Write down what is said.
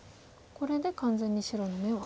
これで完全に白の眼は。